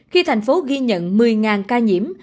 khi thành phố ghi nhận một mươi ca nhiễm